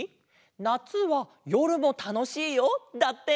「夏はよるもたのしいよ」だって！